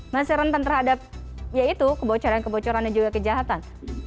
masih rentan terhadap ya itu kebocoran kebocoran dan juga kejahatan